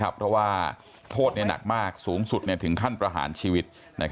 เพราะว่าโทษหนักมากสูงสุดถึงขั้นประหารชีวิต